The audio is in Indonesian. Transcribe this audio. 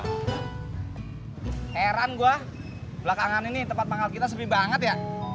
heran gue belakangan ini tempat pangkal kita sepi banget ya